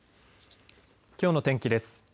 きょうの天気です。